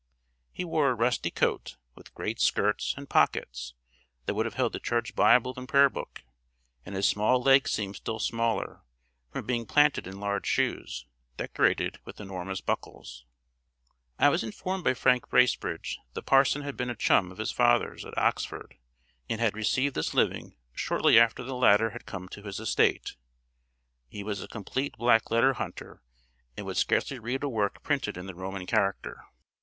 He wore a rusty coat, with great skirts, and pockets that would have held the church Bible and prayer book; and his small legs seemed still smaller, from being planted in large shoes, decorated with enormous buckles. I was informed by Frank Bracebridge that the parson had been a chum of his father's at Oxford, and had received this living shortly after the latter had come to his estate. He was a complete black letter hunter, and would scarcely read a work printed in the Roman character.